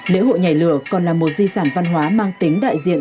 lễ hội nhảy lửa còn là một di sản văn hóa mang tính đại diện